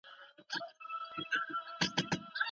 په کندهار کي د فابریکو ساتنه څنګه کېږي؟